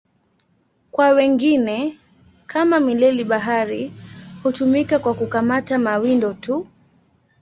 Kwa wengine, kama mileli-bahari, hutumika kwa kukamata mawindo tu.